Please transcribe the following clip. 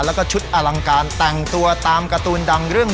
แล้วก็ชุดอลังการแต่งตัวตามการ์ตูนดังเรื่อง